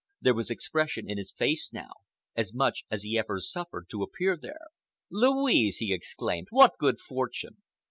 There was expression in his face now—as much as he ever suffered to appear there. "Louise!" he exclaimed. "What good fortune!"